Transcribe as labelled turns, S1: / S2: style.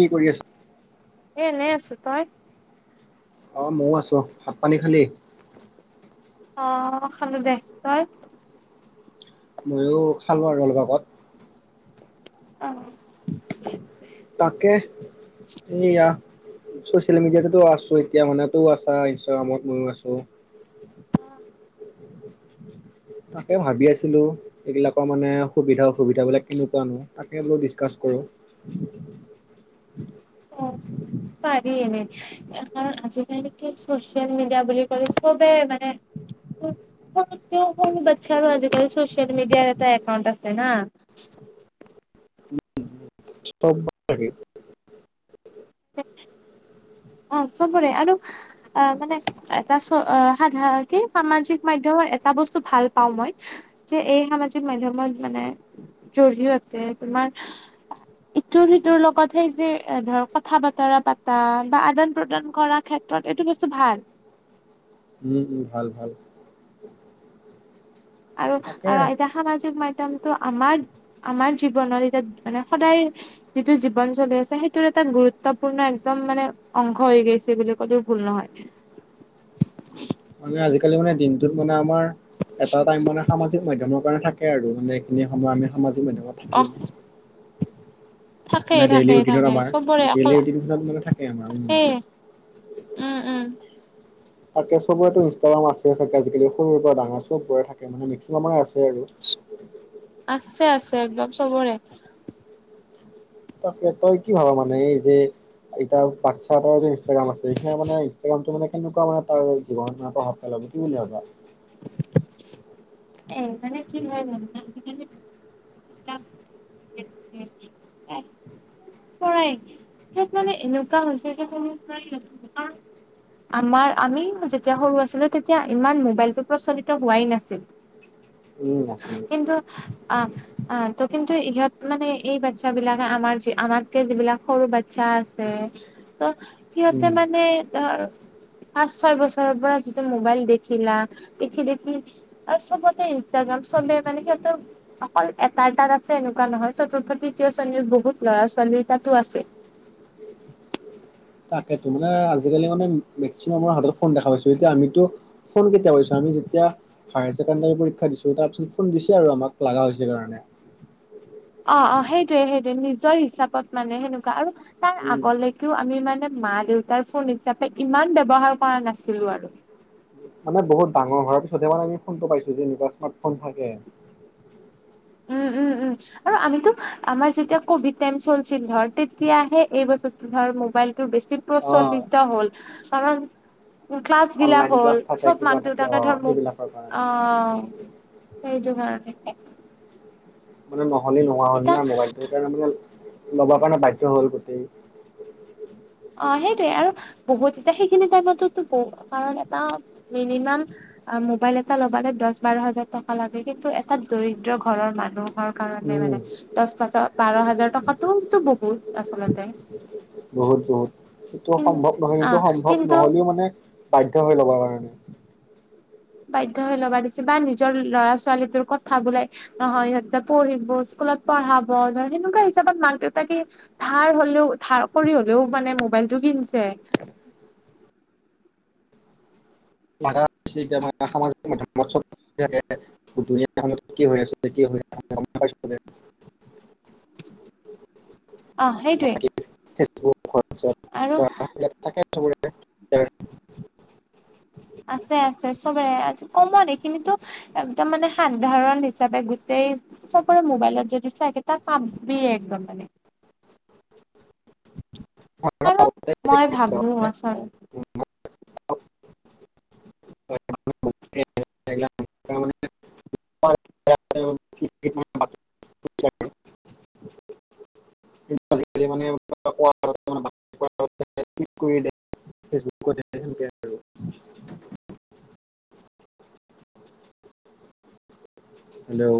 S1: কি কৰি আছা
S2: এ এনেই আছো তই
S1: অ, মইও আছো অ ভাত পানী খালি
S2: অ খালো দে তই
S1: মইয়ো খালো আৰু অলপ আগত।
S2: অ ঠিকেই আছে।
S1: তাকে এইয়া। চচিয়েল মিডিয়াটো আছো এতিয়া মানে তইয়ো আছা ইনষ্টাগ্ৰামত মইও আছো।
S2: [inaudible]
S1: তাকে ভাবি আছিলো। এইবিলাকৰ মানে সুবিধা অসুবিধাবিলাক কেনেকুৱানো, তাকে বোলো ডিছকাছ কৰোঁ।
S2: অ পাৰি এনেই। কাৰণ আজিকালি কি হল চচিয়েল মিডিয়া বুলি ক'লে, চবে মানে সৰু সৰু বাচ্ছাৰো আজিকালি চছিয়েল মিডিয়া এটা একাউণ্ট আছে হা
S1: চব লাগে।
S2: অ চবৰে আৰু অ মানে এটা চ সাধাৰণতে কি সামাজিক মাধ্যমৰ এটা বস্তু ভাল পাওঁ মই যে এই সামাজিক মাধ্যমৰ মানে জৰিয়তে তোমাৰ ইটোৰ সিটোৰ লগতহে যে এ ধৰ কথা বতৰা পাতা বা আদান প্ৰদান কৰাৰ ক্ষেত্ৰত এইটো বস্তু ভাল।
S1: উম উম ভাল ভাল।
S2: আৰু
S1: তাকে
S2: আৰু এতিয়া খান সামাজিক মাধ্যমটো আমাৰ আমাৰ জীৱনত এতিয়া মানে সদায়। যিটো জীৱন চলি আছে সেইটো এটা গুৰুত্বপূৰ্ণ একদম মানে অংশ হৈ গৈছে বুলি ক'লেও ভুল নহয়।
S1: মানে আজিকালি মানে দিনটোত মানে আমাৰ এটা টাইম মানে সামাজিক মাধ্যমৰ কাৰণে থাকে। থাকে আৰু মানে এইখিন সময় আমি সামাজিক মাধ্যমত থাকিম।
S2: অহ থাকেই
S1: মানে ডেইলি
S2: থাকেই
S1: ৰুটিনত
S2: থাকে
S1: আমাৰ
S2: চবৰে
S1: ডেইলি
S2: অকল
S1: ৰুটিনখনত মানে থাকে আমাৰ উম।
S2: থাকেই। উম উম
S1: তাকে চবৰেটো ইনষ্টাগ্ৰাম আছে চাগে আজিকালি সৰু পৰা ডাঙৰ চবৰে থাকে মানে মেকচিমামৰে আছে আৰু,
S2: আছে আছে একদম চবৰে।
S1: তাক তই কি ভাবা মানে এই যে, এতিয়া বাচ্ছা এটাৰো যে ইনষ্টাগ্ৰাম আছে এতিয়া মানে ইনষ্টাগ্ৰামতো মানে কেনেকুৱা মানে তাৰ জীৱনত প্ৰভাৱ, পেলাব কি বুলি ভাবা?
S2: কি হয় মানে আজিকালি [unintelligible] উম [unintelligible] কৰেই সাত মানে এনেকুৱা হৈছে যে [unintelligible] আমাৰ আমি যেতিয়া সৰু আছিলো তেতিয়া ইমান মোবাইলটো প্ৰচলিত হোৱাই নাছিল।
S1: উম আছিলে।
S2: কিন্তু আ আ ত কিন্তু ইহঁত, মানে এই বাচ্ছা বিলাকে আমাৰ য আমাতকে যিবিলাক সৰু বাচ্ছা আছে ত, সিহঁতে
S1: উম
S2: মানে ধৰ, পাঁচ ছয় বছৰৰ পৰা যিটো মোবাইল দেখিলা দেখি দেখি আৰু চবত, টে ইনষ্টাগ্ৰাম চবে মানে সিহঁতৰ, অকল এটা এটাত আছে এনেকুৱা নহয় চতুৰ্থ তৃতীয় শ্ৰেণীৰ বহুত ল'ৰা ছোৱালী তাতো আছে।
S1: তাকেতো মানে আজিকালি মানে মেক্সিমামৰ হাততে ফোন দেখা পাইছো এতিয়া আমিতো। ফোন কেতিয়া কৰিছো আমি যেতিয়া, হায়াৰ ছেকেণ্ডাৰী পৰীক্ষা দিছো তাৰপিছত দিছে আৰু আমাক লাগা হৈছে কাৰণে।
S2: অ অ সেইটয়ে সেইটোয়ে নিজৰ হিচাপত মানে সেনেকুৱা আৰু, তাৰ
S1: উম।
S2: আগলৈকেও আমি মানে মা দেউতাৰ ফোন হিচাপে ইমান ব্যৱহাৰ কৰা নাছিলো আৰু,
S1: মানে বহুত ডাঙৰ হোৱাৰ পিছতহে মানে আমি ফোনটো পাইছো যেনেকুৱা স্মাৰ্টফোন থাকে।
S2: উম উম উম। আৰু আমিতো আমাৰ যেতিয়া কভিড টাইম চলছিল ধ তেতিয়াহে এই বছৰো ধ মোবাইলটো বেছি,
S1: অ
S2: প্ৰচলিত হ'ল কাৰণ, ক্লাছ বিলাক
S1: অনলাইন
S2: হ'ল
S1: ক্লাছ থাকে
S2: চব
S1: কিবা
S2: মাক
S1: থাকে অ
S2: দেউতাকে ধৰ মোক
S1: সেইবিলাকৰ কাৰণে
S2: আহ, সেইটো কাৰণে,
S1: মানে নহ'লে নোহোৱা হল
S2: এতিয়া
S1: না মোবাইলটো সেইকাৰণে ল'বৰ বাধ্য হ'ল গোটেই।
S2: অ সেইটোৱে আৰু বহুত এতিয়া সেইখিনি টাইমতো বহু কাৰণ এটা মিনিমাম, অ মোবাইল এটা লবে দহ বাৰ হাজাৰ টকা লাগে কিন্তু এটা দৰিদ্ৰ ঘৰৰ মানুহ, কাৰণে
S1: উম
S2: মানে দহ পাঁচ বাৰ হাজাৰ টকাতটোতো বহুত আচলতে,
S1: বহুত বহুত সেইটো
S2: কিন্তু
S1: সম্ভৱ নহয়
S2: অ
S1: কিন্তু সম্ভৱ
S2: কিন্তু
S1: নহলেও মানে বাধ্য হৈ ল'ব কাৰণে,
S2: বাধ্য হৈ ল'বা দিছে বা নিজৰ ল'ৰা ছোৱালীটোৰ কথা বোলাই, নহয় সিহঁততে পঢ়িব স্কুলত পঢ়াব ধৰ সেনেকুৱা হিচাপত মাক দেউতাকে, ধাৰ হলেও ধাৰ কৰি হলেও মানে মোবাইলতটো কিনছে।
S1: [unintelligible] দুনীয়াখনত কি হৈ আছে কি হৈ আম গম পাইছো যে,
S2: [inaudible] অ' সেইটোৱে।
S1: বাকী ফেচবুক,
S2: আৰু
S1: হোৱাটছআপ [unintelligible] থাকে চবৰে।
S2: আছে আছে আজি কমত এইখিনিতো একদম মানে সাধাৰণ হিচাপে গোটেই চকলৰে মোবাইলত যদি চাকে ত' পাবিয়ে একদম মানে। আৰু মই ভাবোঁ আচল
S1: [unintelligible] [unintelligible] [unintelligible] [unintelligible] কি কৰিলে? ফেচবুকত [unintelligible] হেল্ল'।